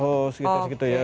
oh sekitar segitu ya